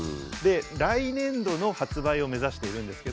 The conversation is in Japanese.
来年度の発売を目指しているんですけども。